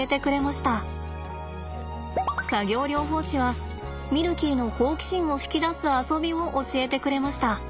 作業療法士はミルキーの好奇心を引き出す遊びを教えてくれました。